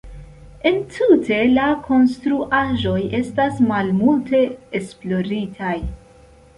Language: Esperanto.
Entute la konstruaĵoj estas malmulte esploritaj.